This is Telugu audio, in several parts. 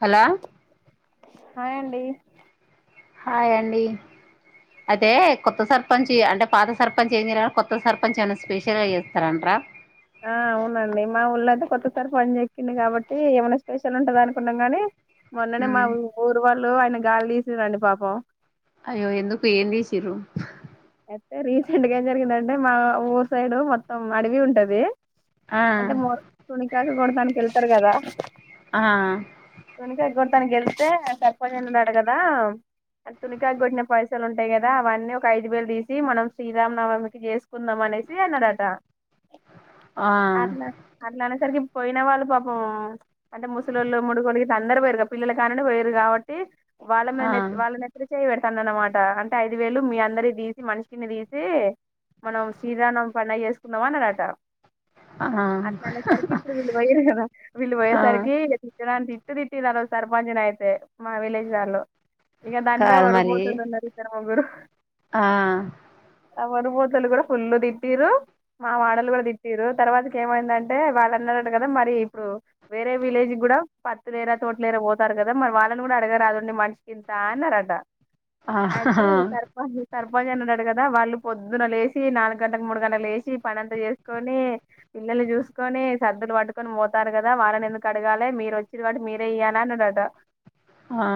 హలో హాయ్ అండి హాయ్ అండి అయితే కొత్త సర్పంచ్ అంటే పాత సర్పంచ్ ఏం చేయలేదు కొత్త సర్పంచ్ ఏమైనా స్పెషల్ గా చేస్తార అంటారా ఆ అవునండి మా ఊరు లో అయితే కొత్త సర్పంచ్ ఎక్కిండు కాబట్టి ఏమైనా స్పెషల్ ఉంటది అనుకున్నా కాని మొన్ననే మా ఊరు వాళ్ళు లు ఆయన గాలి తీసి రండి పాపం అయ్యో ఎందుకు ఏం తీసిరు అయితే రీసెంట్ గా ఏం జరిగిందంటే మా ఊరు సైడ్ మొత్తం అడవి ఉంటది ఆ అంటే మార్ తోని కాక కొడతానికి వెళ్తారు కదా ఆ తన గెల్తే సర్పంచ్దాడు కదా తునికాయ కొట్టిన పైసలు ఉంటాయి కదా అవన్నీ ఒక ఐ వేలు తీసి మనం శ్రీరామనవమికి చేసుకుందాం అనేసి అన్నాడట ఆ అట్లా అట్లా అనే సరికి పోయిన వాళ్ళు పాపం అంటే ముసలళ్ళు ముడిగోళ్ళు అందరు పోయారు పిల్లలు కానిండి పోయారు కాబట్టి వాళ్ల మీద ఆ నెట్ వాళ్ళ నెత్తిన చేయి పెడ అనమాట అంటే ఐదు వేలు మీ అందరి తీసి మనిషికిన్ని తీసి మనం శ్రీ రామనవమి పండగ చేసుకుందాం అన్నడట అట్లా ఆ అనేసరికి ఇప్పుడు వీళ్ళు పోయారు కదా వీళ్ళు ఆ పోయేసరికి తిట్టరాని తిట్ మస్త్ తిట్టిరూ ఆరోజు సర్పంచ్ ని అయితే మా విలేజ్ వాళ్ళు ఇంక దానిలో కాదు మరి వర్బోతులు ఉన్నారు ఇద్దరు ముగురు ఆ ఆ వరుపోూతలు కూడా ఫుల్ తిట్టరు మా మాడలు కూడా తిట్టారు తర్వాతకి ఏమైందంటే వాళ్ళు అందరూ అంత కదా మరి ఇప్పుడు వేరే విలేజ్ కూడా పతులేరా తోటలేరా పో సరు కదా మరి వాళ్ళని కూడా అడగ రాదండి మనిషికింత అన్నార అంటా ఆహా సర్పంచ్ అన్నాడట కదా వాళ్ళు పొద్దున లేసి నాలుగు గంటలకు మూడు గంటలు లేసి పనింత చేసుకొని పిల్లల్ని చూసుకొని సర్దులు పట్టుకొని పోతారు కదా వాళ్ళని ఎందుకు అడగాలి మీరు వచ్చిన వాటి మీరే ఇయ్య అన్నాట ఆ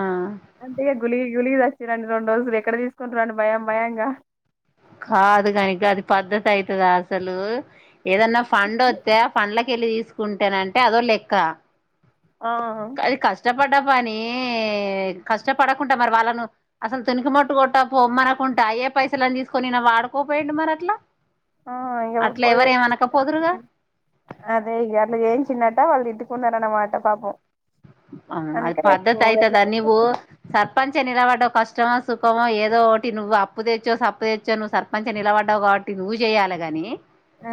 అంత గుళ గుళద రండు రోజులు ఎక్కడ తీసుకొనిరాను భయం భయంగా కాదు కనుక అది పద్ధతి అవుతుందా అసలు ఏదన్నా ఫండ్ వస్తే ఆ ఫండ్లక వెళ్ళి తీసుకుంటానంటే అదో లెక్క ఆ అది కష్టపడి ని కష్టపడకుంటడా మరి వాళ్ళను అసలు తునికి మట్టు కొట్ట పొమ్మనకుంటడా ఏ పైసలు అని తీకొని వాడుకోపోయాండి మరి అట్లా ఆ ఇ అట్లా పో ఎవరు ఏమనకపోదురుగా అదే ఈగా అలాగ ఏం చిన్న ళ్ళు ఇటుకుందటా పాపం ఆ అది అందుకే రేపు పద్ధతి ఎట్లా అయితదా నవు సర్పంచ నిలవడకష్ట కష్టమో సుఖోమో ఏదో ఒకటి నువ్వు అప్పు తెచ్చో సప్పు తెచ్చో నువ్వు సర్పంచ్ నిలబడ్డావు కాబట్టి నువ్వు చేయాలి కాని ఆ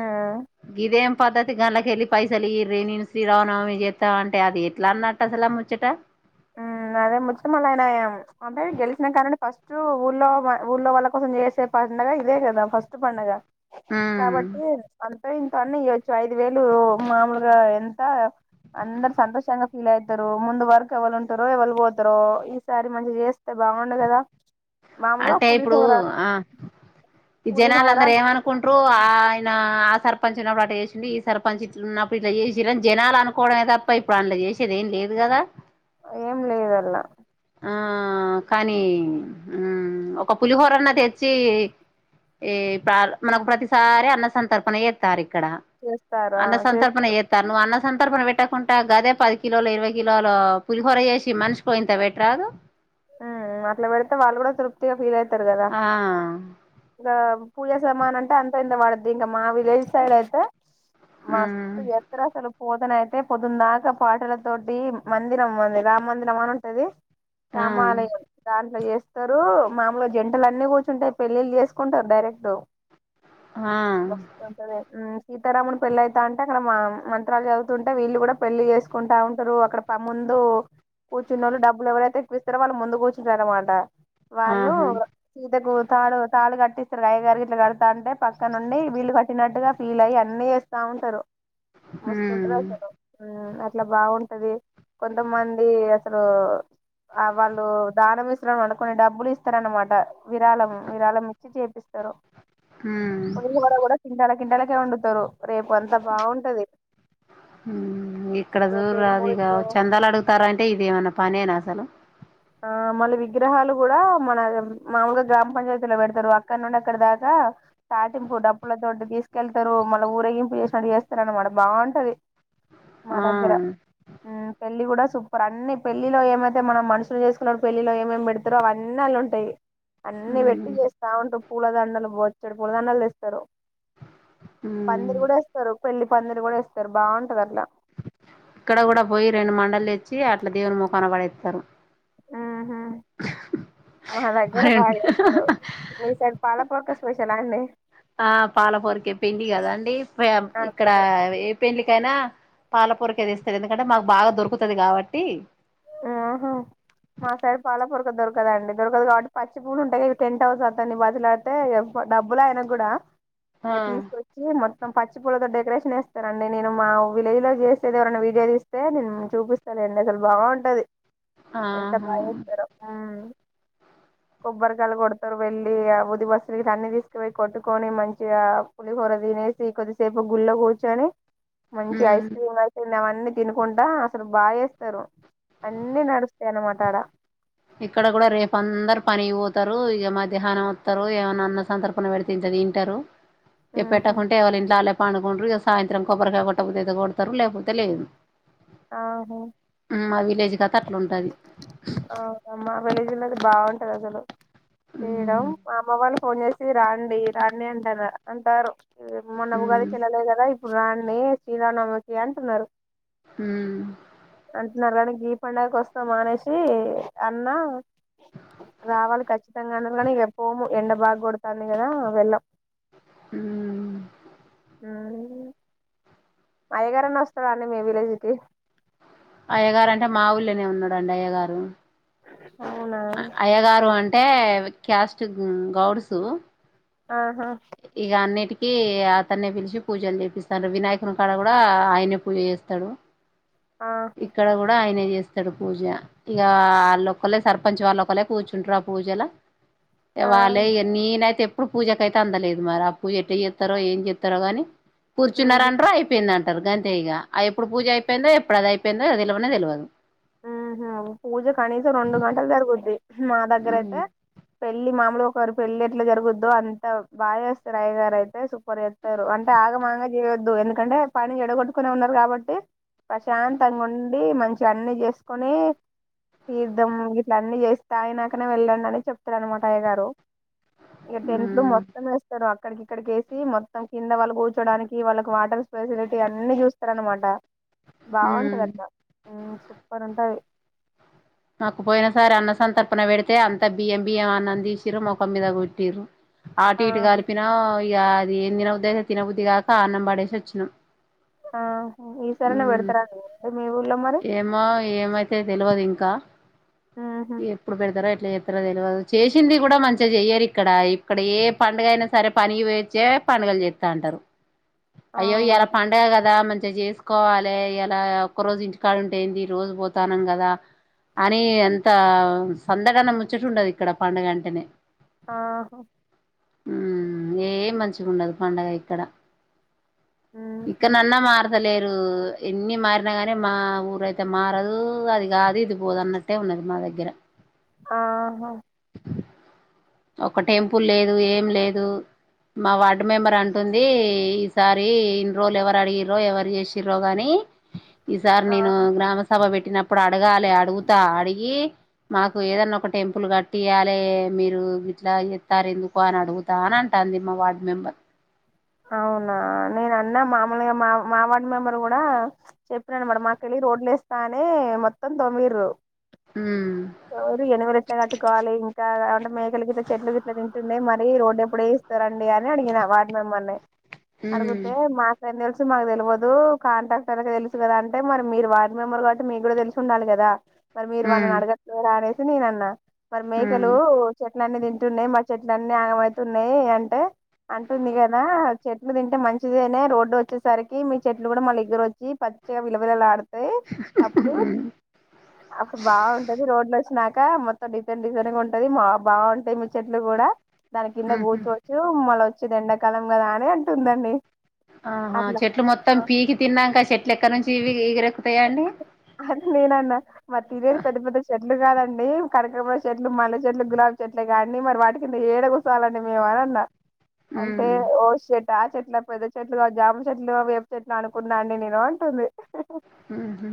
గిదేం పాద గలకలో పైసలు ఎయ్యిరు నేను శ్రీ రామా నవమి చేస్తాం అంటే అది ఎట్లా అన్న ట్ట అసలు ఆ ముచ్చట ఉమ్ అదే ముచ్చట మళ్ళ ఊళో ఊళ్ళో వాళ్ళ కోసం చేసే పండగ ఇదే కదా ఫస్ట్ పండగ ఉమ్ కాబట్టి అంతా ఇ తన్ని ఇయచ్చు ఐదు వేలు మామూలుగా ఎంత అందరు సంతోషంగా ఫీల్ అవుతారు ముందు వరకు ఎవలుంట తరి వెవళ్ళ పోతారో ఈసారి మంచిగా చేస్తే బాగుండ కదా మామూలుగా అంటే ఇప్పుడు పులిహోర ఆ ఈ జనాలు పులిహోర అందర ఏమనుకుంట్ర ఆ ఆయన సర్పంచ్ ఉన్నప్పుడు అలా చేసిండే ఈ సర్పంచ్ ఇట్లు ఉన్నప్పుడు ఇట్లా చేసని జనాలు అనుకోవమే తప్ప ఇప్పుడు అందులా చేసేది ఏం లేదు కదా ఏం లేదలా ఆ కానీ ఒక పులిహోరన్న తెచ్చి ఈ మనకు ప్రతిసారి అన్న సంతర్పణస్తారు చేస్తారా అన్న సంతర్పణ చేస్తారు ఏతారు నువ్ అన్న సంతర్పణ పెట్టకుంట గదే పది కిలోలు ఇరవై కిలోలు పులిహోర చేసి మనిసిపోయెంత పెట్ ఎ రాదు అట్లా పెడితే వాళ్ళు కూడా తృప్తిగా ఫీల్ అయితారు తారు కదా ఆ ఇకా పూజా సమానం అంటే అంత ఇంత వాడద్ది ఇంకా మా విలేజ్ సైడ్ అయితే మ ఎ పో అతన అయితే పొద్దున్న దాకా పాటల తోటి మందిరం ఉంది రామ మందిరం అని ఉంటది ఆ సామాలు దాంట్లో చేస్తారు మాములు జంటలు అన్నీ కూర్చుంటాయి పెళ్ళళ్ళ చేసుకుంటారు డైరెక్ట్ ఆ సీతారామున్ పెళ్ళి అయితా అంటే అక్కడ మంత్రాలు చదువుతుంటే వీళ్ళు కూడా పెళ్లి చేసుకుంటా ఉంటారు అక్కడ ప ముందు కూర్చున్నోళు డబ్బులు ఎవరైతే ఇత్తర వాళ్ళు ముందు కూచుంటరనమాట వాళ్ళు ఆహా సీత కూ తాళ తాళు కట్టిస్తారు కాయగారు గట్లా కడతా అంటే పక్క నుండి వీళ్లుు కట్టినట్టుగా ఫీల్ అయ్యి అన్ని చేస్తా ఉంటారు మస్తు ఉంటది ఉమ్ అయితే అట్లా బాగుంట అది కొంతమంది అసలు ఆ వాళ్ళు దానం ఇస్తరు అనమాట కొన్ని డబ్బులు ఇస్తార అనమాట విరాళం విరాళం ఇచ్చి చేపి స్తరొ ఉమ్ కొన్ని వడ వడస్ తిండ్లా కిండలకేం వండుతారో హు ఇక్కడ రేపు జూర్ర ఏడు అది ఇగ మూడింటికో చందాలు అడుగుతారంటే ఇదేమన్నా పనేనా తను ఆ మళ్ళీ విగ్రహాలు కూడా మన మాముూలుగా గ్రామ పంచాయతీలో పెడతారు. అక్కడ నుండి అక్కడ దాకా తాటింపు డప్పులతోటీ తీసుకెళ్తారు, మళ్ళీ ఊరేగింపు చేసినట్టు చేస్తారు అనమాట బాగుంటది. మా ఆ దగ్గర ఉ పెళ్లి గూడ సు పర్ అన్ని పెళ్లిలో ఏమైతే మనం మనిష్ చేసుకున్నప్పుడు పెళ్ళిలో ఏమేమి పెడతారో అవన్నీ ఆళ్లు ఉంటాయి అన్ని పెట్టి ఉమ్ చేస్తా ఉంటూ పూలదండలు [inaudible] ఇక్కడ పూల దండలు తెస్తరో ఉమ్ పందిర్ గూడ ఏస్తారు పెళ్లి పందిరి గూడా ఏస్తారు బాగుంటది అట్లా ఇక్కడ కూడా పోయి రెండు మండల్ తెచ్చి అట్ల దేవుని మొఖాన పడే స్తరు మా దగ్గర బాగా రెండు చేస్తారు మీ సైడ్ పాలపక్క స్పెషలా అండి ఆ పాలపూరికే పెండ్లి కదాండి ఫ అదే ఇక్కడ అదే ఏ పెండ్లికైన పాలపూరికే తెస్తారు ఎందుకంటే మాకు బాగా దొరుకుతది కాబట్టి ఆహ మా సైడ్ పాల పొరక దొరకదండి దొరకదు కాబట్టి పచ్చి పూలు ఉంటాయి కదా టెంట్ హౌస్ అతన్ని బతిలాడితే డబ్బులే ఆయన గూడా ఆ ఇంగ తీసుకొచ్చి మ పచ్చి పూలతో డెకరేషన్ ఏస్తారారండి. నేను మా విలేజ్ లో చేసేది ఎవరైనా వీడియో తీస్తే నేను చూపిస్తాలేండి అసలు బాగుంట ఉంటది ఎంత ఆహా బాగచేస్తరో కొబ్బరికాయలు కొడతారు. వెళ్లి ఆ ఊది బస్తీలు అన్ని తీసుకుపోయి కొట్టుకొని మంచిగా పులిహోర తినేసి కొద్దిసేపు గుళ్ళో కూర్చొని. మంచి ఐస్ ఉమ్ క్రీమ్ గాని తినెవాళ్లకి అన్ని తినుకుంటా అసలు బాగెస్తారు అన్నీ నడుస్తస్తాయన్న మాటా ఆడ ఇక్కడ కూడా రేపుందరు పని పోతారు ఇగ మధ్యాహ్నం వత్తారు ఏమన్నా అన్న సంతర్పణ పెడితే ఇంత తింటారు ఎ పెట్టకుంటే ఎవళ ఇంట్లో ఆళ్లకు పడుకుంట్రు ఇక సాయంత్రం కొబ్బరికాయ కొట్టబుత్తి అయితే కొడతారు లేకపోతే లేదు ఆహా మా విలేజ్ కత్ అట్లు ఉంటాది మా విలేజ్ లోది బాగుంటది అసలు చేయడం మ్మ్ మా అమ్మ వాళ్ళు ఫోన్ చేసి రాం డి రండి అంటరు అంటారు ఇది మొన్న ఉగాదికి ఎల్లాలే గద పురాన్ని సీతనామకి అంటున్నారు. ఉమ్ [unintelligible] గీ పండగకు వస్ మానేసి అన్న రావాలి ఖచ్చితంగా అన్నరు గని పోము, ఎండ బాగ కొడతాంది కదా వెళ్ళాం. ఉమ్ ఆ అయ్యగారన్న వస్తడు అండి మే విలేజ్కి అయ్యగారు అంటే మా ఊళ్ళనే ఉన్నడండి అయ్యగారు. అవునా అయ్యగారు అం టే క్యాస్ట్ గౌడ్సు ఆ ఇగ అన్నిటికి కి అతన్ని పిలిచి పూజలు చేపిస్తాడు, వినాయకుని కాడ కూడా ఆయనే పూజ చేస్తడు. ఆ ఇక్కడ కూడా ఆయనే చేస్ స్తడు పూజ. ఇక వాళ్ళొక్కల్లె సర్పంచ్ వాళ్ళ ఒకళ్ళే కూర్చుంటరు ఆ పూజలా. ఆ వాళ్ళే ఇగ నీనయితే ఇప్పు పూజకైతే అందలేదు మరి అ పూజ ఎట్ చేత్తరో ఏం చేత్తరో కాని ఉహు కూర్చున్నారంటరు అయిపోయిందం సర్గా అంటే తెయగా ఆ ఎప్పుడు పూజ అయిపోయిందో, ఎప్పుడు అది అయిందో, తెలివనే తెలియదు. ఉహు పూజ కనీసం రెండు గంటలు జరుగుద్ది మా దగ్గర అయితే మ్మ్ పెళ్ళ మామలుగా రి పెళ్లి ఎట్లా జరగొద్దు అంత బాచేస్తరు అయ్యగారు అయితే, సూపర్ చేత్తరు అంటే ఆగమాగ చేయొద్దు ఎందుకంటే పని చెడగొట్టుకునే ఉన్నారు కాబట్టి ప్రశాంతంగా ఉండి మంచి అన్ని చే. తీసుకొని తీర్థం ఇట్లన్నీ చేస్తా తాగినాకనే వెళ్ళండి అని చెప్తారు అనమాట అయ్య గారు ఇగ టెన్ట్లూ లో మొత్తం వేస్తరు వాళ్ళు. ఇక్కడికిక్కడికేసి మొత్తం కింద వాళ్ళ కూర్చోడానికి వాళ్ళకి వాటర్ ఫెసిలిటీ అన్ని చూస్తార అనమాట. మ్మ్ బాగుంటదక్క ఉమ్ రింటది న పెడితే అంత బియ్యం బియ్యం అన్నం చేసిర్రూ, ముఖం మీద కొట్టిరు. ఆటు ఇటు ఆహా కలిపిన గా అది ఏం తిన బుద్ధియితది తినబుద్ధదిగాక అన్నం పడేసి వచ్చినాం. ఆ ఈ సరన్న బెడతరానే ఏమో ఏమైతే తెలియదు ఇం కా ఉహు ఎప్పుడు పెడతరో ఎప్ చేసింది కూడా మంచిగా చెయ్యరు ఇక్కడ ఇక్కడ ఏ పండుగ అయినా సరే పనికి పోయోచ్చే పండుగలు చేత్తా అంటారు అయ్యో అవునా ఇయాళ పండగ కదా ఎలా మంచిగా చేసుకోవాలి ఇలా ఒక్క రోజు ఇంటి ఎక్కడుంటే ఏంది రోజు పోతానం కదా అని అంత సందడన్న ముచ్చటటుండదు ఇక్కడ పండుగ అంటనే ఆ హ్మ్ ఏం మంచిగా ఉండదు పండగ ఇక్కడ ఇక ఉహు నన్న మారు తలేరు ఎన్ని మారిన గానీ మా ఊరయితే మారదు అది కాది ఇది పోదు అన్నట్టే ఉన్నది మా దగ్గర ఆహా ఒక టెంపుల్ లేదు ఏం లేదు మా వార్డ్ మెంబర్ అంటుంది ఈసారి ఇన్ని రోజులెవరు అడిగిరో ఎవరు చేసిరో గాని ఈ సారి ఆ నేను గ్రామ సభ పెట్ పెట్టినప్పుడు అడగాలి అడుగుతా అడిగి మాకు ఏదన్నా ఒక టెంపుల్ కట్టియాలి మీరు ఇట్లా ఎత్తారు ఎందుకో అని అడుగుతా అని అంటాది మా వార్డ్ మెంబర్ అవునా నేను అన్న మామూలుగా మా మా వార్డు మెంబర్ కూడా చెప్పినాడుమాట మాకు తెలీదు రోడ్లు వేస్తా అనీ మొత్తం తవ్విర్రు ఉమ్ ఎవరు ఎనభై లక్షలు కట్టుకోవాలి ఇంకా మేకలు గిట్ల చెట్లు గిట్ల తింటుండే మరి రోడ్డు ఎప్పుడేయిస్తరండి అని అడిగిన వార్డు మెంబర్ ని ఉమ్ అడుగుతే మాకేం తెలుసు మాకు తెల్వదు కాంట్రాక్టర్ కి తెలుసు కదా అంటే మరి మీరు వార్డు మెంబర్ కాబట్టి మీకు కూడా తెలుసు ఉండాలి కదా మరి మీరు వాళ్ళని ఉమ్ అడగట్లేదా అనేసి సినీ నన్న మరి ఉమ్ మేకలు చె న్నన్ని తింటున్నాయి మా చెట్లన్నీ ఆగమైతున్నాయి అంటే అంటుంది గదా చెట్లు తింటే మంచిదేనే రోడ్డు వచ్చేసరికి మీ చెట్లు కూడా మళ్ళీ ఇగురు వచ్చి పచ్చగా విలవిలలాడు [unintelligible] య్ అప్పుడు ఉమ్ అప్పుడు బావుంటది రోడ్ లో వచ్చినాక మొత్తం డిజైన్ డిజైన్ గా ఉంటది. మా బావుంటయి మీ చెట్లు కూడా దాని కింద ఉహు కూర్చోవచ్చు మళ వచ్చే దెండకాలం గదా అదే అంటుందండి ఆహా చెట్లు మొత్తం పీకి తిన్నాంక చెట్లు ఎక్కడ నుంచి ఇ ఇగర అని నేను అన్న మరి తినేది పెద్ద పెద్ద చెట్లు కాదండి కనకంబరం చెట్లు మల్లె చెట్లు గులాబీ చెట్లుగా అన్నీ మరి వాటి కింద ఏడ కూసోవాలండి మేము అని అన్న అంటే ఉమ్ ఓ షిట్ త చెట్ల పెద్ద చెట్లుగా జామ చెట్లు వేపు చెట్లు అనుకున్నా అండి నేను అంటుంది. ఊహూ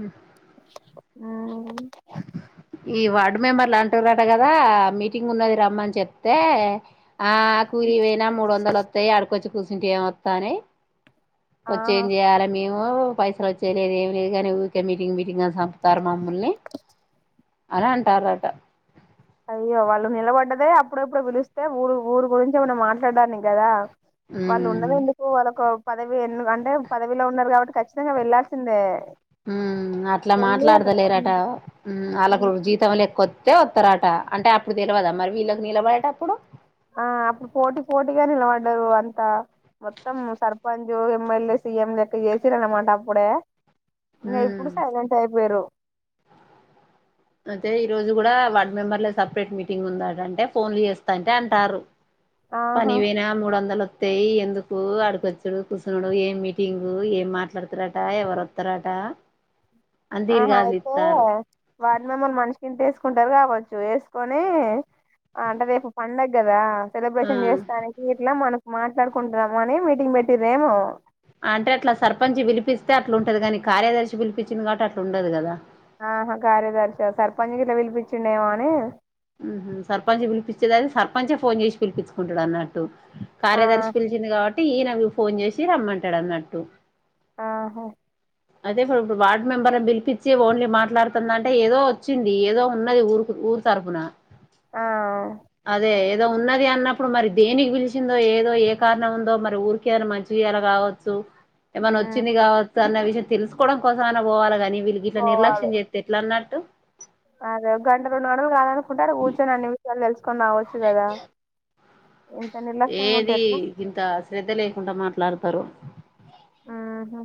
ఆ మ్ ఈ వార్డు మెంబర్ లాంటూంట కదా మీటింగ్ ఉన్నది రమ్మ అని చెప్తే ఆ కూలీ పోయినా మూడు వందలు వస్తాయి ఆడుకోచ్చు ప్రూజెంట్య మత్తానే ఆ వచ్చి ఎం చేయాలి అం అ పైసల్ వచ్చేలేదు గాని ఉరికే మీటింగ్ మీటింగ్ అని చంపుతారు ముల్లే అని అంటారట అయ్యో వాళ్ళు నిలబడ్డదే అప్పుడప్పుడు పిలిస్తే, ఊరు ఊరి గురించి ఏమన్నా మాట్లాడాన్నికి కదా వాళ్ళు ఉమ్, ఉన్నది ఎందుకు వాళ్ళకు పదవి ఎ అంటే పదవిలో ఉన్నారు కాబట్టి ఖచ్చితంగా వెళ్లాల్సిందే ఉ అట్లా వెళ్ళి అక్కడ ఉమ్ మాట్లాడదలేరట మ్ వాళ్ళకు ఉమ్ జీతం ఎక్కువ వే వస్తారట అంటే అప్పుడు తెలవదా మరి వీళ్ళకి నిలబడేట అప్పుడు ఆ అప్పుడు పోటీ పోటీగా నిలబడ్డారు అంత, మొత్తం సర్పంచ్ ఎమ్మెల్యే సీఎం లెక్క చేసిర అనమాట అప్పుడే ఇంఖ ఇప్పుడు ఉమ్, సైలెంట్ అయిపోయిర్రు అయితే ఈ రోజు కూడా వార్డ్ మెంబర్ల సపరేట్ మీటింగ్ ఉందటంటే ఫోన్లు చేస్తా అంటే అంటారు ఆహా పనిగిబోయినా మూడు వందలు తేయి ఎందుకు అడకొచ్చుడు కూసొనడు ఏం మీటింగు ఏం మాట్లాడతారట ఎవరొత్తారట ఆహా ఐతే వార్డ్ మెంబర్ మనిషికింత వేసుకుంటరు కావచ్చు వేసుకొని అంటే రేపు పండగ కదా ఆ సెలబ్రేషన్ చేస్తానికి ఇట్లా మనం మాట్లాడుకుంటున్నాం అని మీటింగ్ పెట్టిర్రేమో అంటే అట్లా సర్పంచి పిలిపిస్తే అట్లుంటది కాని కార్యదర్శి పిలిపిచ్చిండు కాబట్టి అట్లుండదు కదా ఆహా కార్యదర్శా సర్పంచ్ గిట్లా పిలిపిచ్చిండేమో అని ఊహూ సర్పంచ్ పిలిపిచ్చేదాని సర్పంచే ఫోన్ చేసి పిలిపిచ్చుకుంటాడు అన్నట్టు ఆ కార్యదర్శి పిలిచింది కాబట్టి ఈయన రు ఫోన్ చేసి రమ్మంటాడు అన్నట్టు ఆహా అదే [unintelligible] ఇప్పుడు వార్డ్ మెంబర్ పిలిపించి ఓన్లీ మాట్లాడుతుందంటే ఏదో వచ్చింది ఏదో ఉన్నది ఊరు కు ఊరు తరపున ఆ అదే ఏ గా ఉన్నది అన్నప్పుడు మరి దేనికి పిలిచిందో ఏదో ఏ కారణం ఉందో మరి ఊరికి ఏనా మంచిర్యాల కావచ్చు ఏమన్నా ఉమ్, వచ్చింది కావ తన్న విషయం తెలుసుకోవడం కోసం ఐనా పోవాలిగాని వీళ్కి ఇట్లా పోవాలి నిర్లక్ష్యం చేప్తే ఎట్లా అన్నార్ టు అదే ఒక గంట రెండు గంటలు కాదనుకుంటే ఆడ కూచోని అన్ని విషయాలు తెలుసు కొన్ని అవచ్చు కదా ఇంత నిర్లక్ష్యంగా ఉంటే ఏది ఎట్లా ఇంత శ్రద్ధ లేకుండా మాట్లాడుతుం తరు ఉహు